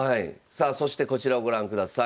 さあそしてこちらをご覧ください。